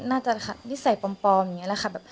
น่าจะนิสัยปลอมอย่างนี้แหละค่ะ